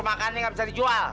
makanan gak bisa dijual